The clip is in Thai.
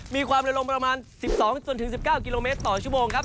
มีความเร็วลงประมาณ๑๒๑๙กิโลเมตรต่อชั่วโมงครับ